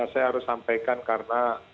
saya harus sampaikan karena